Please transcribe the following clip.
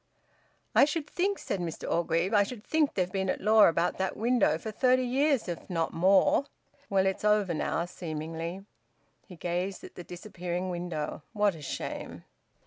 "I should think," said Mr Orgreave, "I should think they've been at law about that window for thirty years, if not more. Well, it's over now, seemingly." He gazed at the disappearing window. "What a shame!"